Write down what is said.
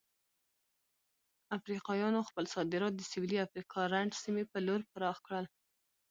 افریقایانو خپل صادرات د سویلي افریقا رنډ سیمې په لور پراخ کړل.